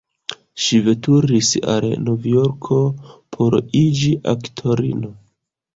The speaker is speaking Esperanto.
Ŝi veturis al Novjorko, por iĝi aktorino.